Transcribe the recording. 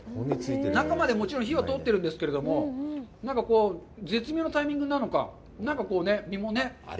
中まで、もちろん火は通ってるんですけれども、絶妙なタイミングなのか、身もね。